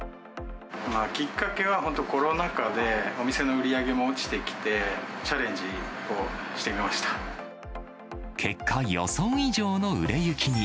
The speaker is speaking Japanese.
きっかけは、本当、コロナ禍で、お店の売り上げも落ちてきて、結果、予想以上の売れ行きに。